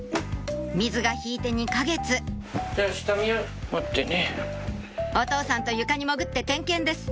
水が引いて２か月お父さんと床に潜って点検です